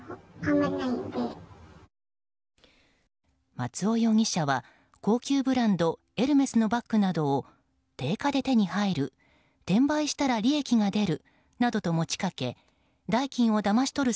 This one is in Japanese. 松尾容疑者は高級ブランドエルメスのバッグなどを定価で手に入る転売したら利益が出るなどと持ち掛け代金をだまし取る